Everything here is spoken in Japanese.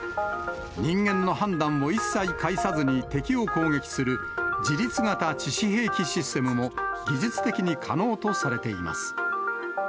人間の判断を一切介さずに敵を攻撃する自律型致死兵器システムも技術的に可能とされています。